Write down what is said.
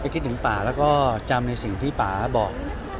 คิดถึงป่าแล้วก็จำในสิ่งที่ป่าบอก